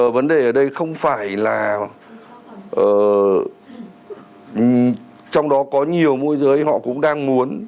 vấn đề ở đây không phải là trong đó có nhiều môi giới họ cũng đang muốn